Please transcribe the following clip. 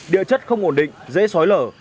địa chất không ổn định dễ xói lở